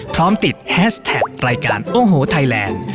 พร้อมติดแฮชแท็กรายการโอ้โหไทยแลนด์